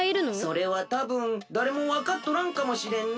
それはたぶんだれもわかっとらんかもしれんね。